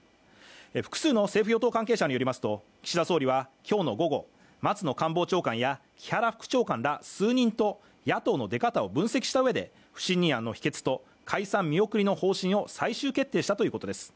複数の政府・与党関係者によりますと岸田総理は今日の午後、牧野官房副長官や木原副長官ら数人と野党の出方を見た上で、解散見送りの方針を最終決定したということです。